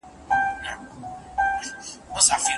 بریالي کسان به له نورو سره ښه چلند کوي.